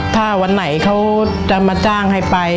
ถ้าวันไหนเขาจะมาจ้างให้ไป